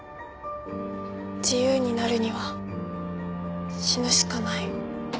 自由になるには死ぬしかない。